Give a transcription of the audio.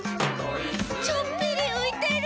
「ちょっぴりういてる」